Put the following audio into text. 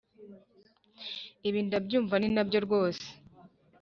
ibi ndabyumva ninabyo rwose,